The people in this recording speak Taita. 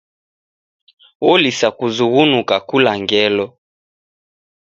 Olisa kuzughunuka kula ngelo.